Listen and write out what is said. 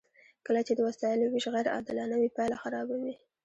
کله چې د وسایلو ویش غیر عادلانه وي پایله خرابه وي.